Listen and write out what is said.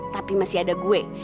tapi masih ada gue